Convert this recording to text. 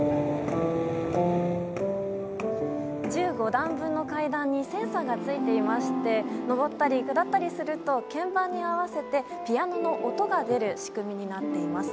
１５段分の階段にセンサーがついていまして上ったり下ったりすると鍵盤に合わせてピアノの音が出る仕組みになっています。